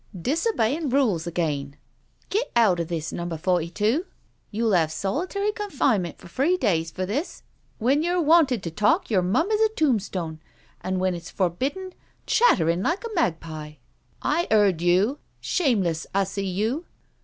" Disobeying rules again I Get out of this. Number Forty two — you'll have solitary confinement for three days for this — when you're wanted to talk you're mum as a tombstone, an' when it's forbidden, chatterin' like a magpie I I heard you — shameless 'ussie, you."